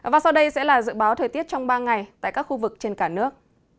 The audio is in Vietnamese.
và sau đây sẽ là dự báo thời tiết trong ba ngày tại các khu vực trên cả nước